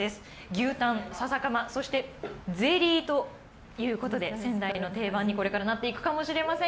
牛タン、笹かま、そしてゼリーということで仙台の定番にこれからなっていくかもしれません。